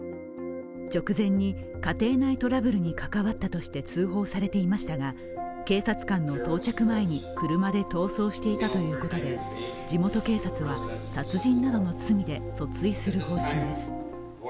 直前に家庭内トラブルに関わったとして通報されていましたが警察官の到着前に車で逃走していたということで地元警察は、殺人などの罪で訴追する方針です。